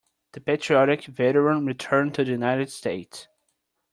The patriotic veteran returned to the United States.